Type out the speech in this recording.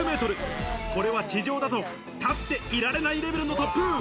これは地上だと、立っていられないレベルの突風。